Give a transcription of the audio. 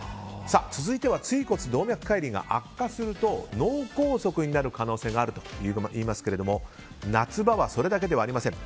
続いては椎骨動脈解離が悪化すると脳梗塞になる可能性があるといいますけども夏場はそれだけではありません。